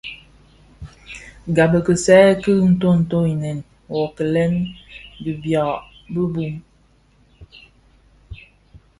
Gab i kisaï ki nton nto inèn yo kilèn di biag bi bum.